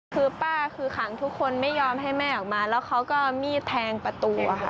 คือป้าคือขังทุกคนไม่ยอมให้แม่ออกมาแล้วเขาก็มีดแทงประตูอะค่ะ